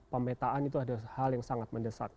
pemetaan itu adalah hal yang sangat mendesak